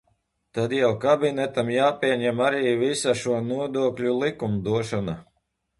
Tad jau Kabinetam jāpieņem arī visa šo nodokļu likumdošana.